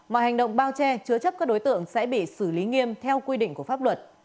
mọi hành động bao che chứa chấp các đối tượng sẽ bị xử lý nghiêm theo quy định của pháp luật